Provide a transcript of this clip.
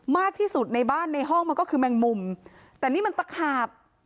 มากที่สุดในบ้านในห้องมันก็คือแมงมุมแต่นี่มันตะขาบ